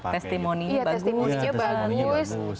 tersebut juga bagus